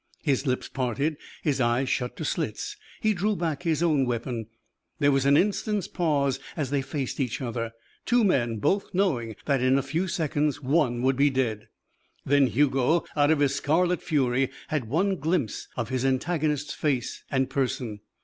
His lips parted, his eyes shut to slits, he drew back his own weapon. There was an instant's pause as they faced each other two men, both knowing that in a few seconds one would be dead. Then Hugo, out of his scarlet fury, had one glimpse of his antagonist's face and person.